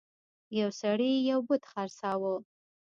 یو سړي یو بت خرڅاوه.